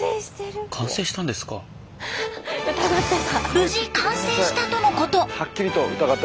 無事完成したとのこと！